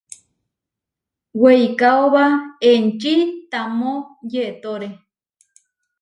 Weikaóba enči tamó yetóre.